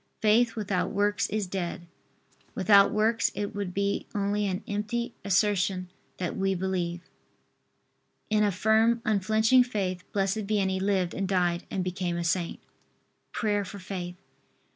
Faith without works is dead. Without works it would be only an empty assertion that we believe. In a firm unflinching faith Blessed Vianney lived and died and became a saint. PRAYER FOR FAITH.